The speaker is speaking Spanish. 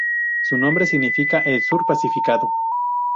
Su nombre significa "el Sur pacificado".